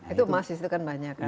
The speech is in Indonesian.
itu emas itu kan banyak